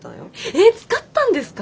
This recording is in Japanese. えっ使ったんですか！